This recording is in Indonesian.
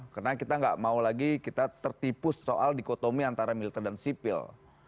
karena kita gak mau lagi kita tertipu soal dikotomi antara militer dan sipil